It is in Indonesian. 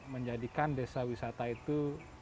menjadikan desa wisata itu